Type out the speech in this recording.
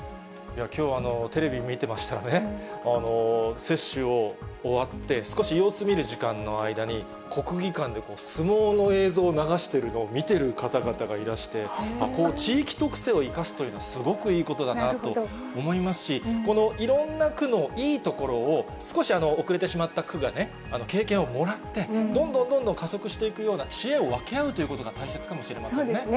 きょう、テレビ見てましたらね、接種を終わって、少し様子見る時間の間に、国技館で相撲の映像を流してるのを見てる方々がいらして、地域特性を生かすというのはすごくいいことだなと思いますし、このいろんな区のいいところを、少し遅れてしまった区がね、経験をもらって、どんどんどんどん加速していくような知恵を分け合うということがそうですね。